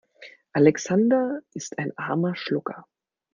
Alexander ist ein armer Schlucker.